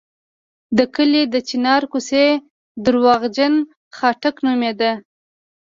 د کلي د چنار کوڅې درواغجن خاټک نومېده.